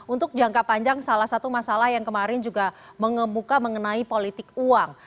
untuk jangka panjang salah satu masalah yang kemarin juga mengemuka mengenai politik uang